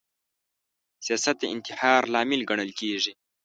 سیاست د انتحار لامل ګڼل کیږي